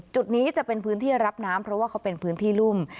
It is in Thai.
จุดนี้จะเป็นพื้นที่รับน้ำเพราะว่าเขาเป็นพื้นที่รุ่ม